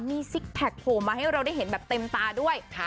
มีซิกแพคโผล่มาให้เราได้เห็นแบบเต็มตาด้วย